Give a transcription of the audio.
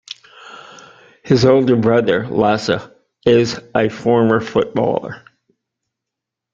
His older brother, Lasse, is a former footballer.